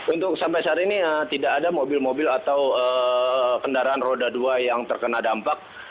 untuk sampai saat ini tidak ada mobil mobil atau kendaraan roda dua yang terkena dampak